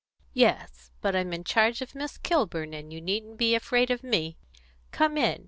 "Yes; but I'm in charge of Miss Kilburn, and you needn't be afraid of me. Come in.